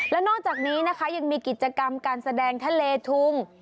แล้วนอกจากนี้นะคะยังมีกิจกรรมการแสดงทะเลทุง